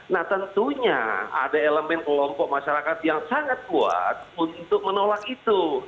nah tentunya ada elemen kelompok masyarakat yang sangat kuat untuk menolak itu